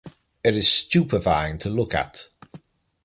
It is stupefying to look at.